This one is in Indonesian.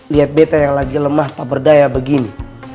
lihat beta yang lagi lemah tak berdaya begini